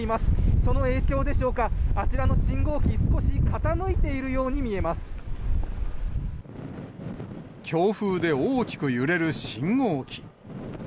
その影響でしょうか、あちらの信号機、強風で大きく揺れる信号機。